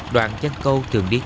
đoàn dân câu thường đi thay